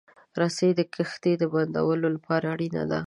رسۍ د کښتۍ د بندولو لپاره اړینه ده.